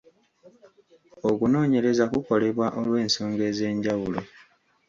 Okunoonyereza kukolebwa olw'ensonga ez'enjawulo.